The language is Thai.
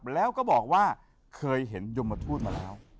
แล้วก็บอกว่าเคยเห็นยมทูตมาแล้ว